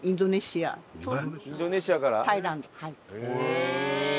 へえ。